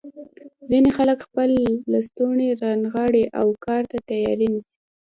ځینې خلک خپل لستوڼي رانغاړي او کار ته تیاری نیسي.